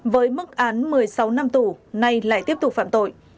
với mức án một mươi sáu năm tù nay lại tiếp tục phạm tội